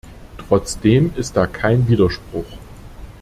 Trotzdem ist da kein Widerspruch.